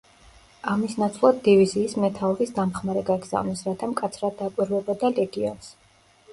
ამის ნაცვლად დივიზიის მეთაურის დამხმარე გაგზავნეს, რათა მკაცრად დაკვირვებოდა ლეგიონს.